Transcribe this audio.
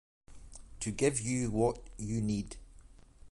To give you what you need.